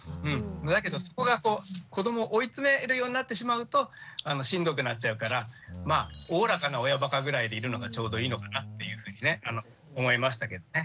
だけどそこがこう子どもを追い詰めるようになってしまうとしんどくなっちゃうからおおらかな親ばかぐらいでいるのがちょうどいいのかなっていうふうにね思いましたけどね。